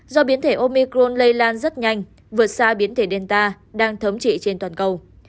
do biến thể omicron lây lan rất nhanh vượt xa biến thể delta đang thấm trị trên toàn cầu